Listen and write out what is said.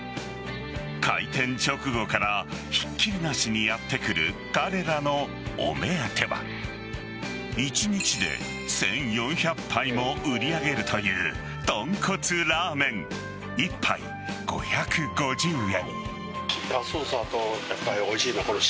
開店直後からひっきりなしにやって来る彼らのお目当ては１日で１４００杯も売り上げるというとんこつラーメン１杯５５０円。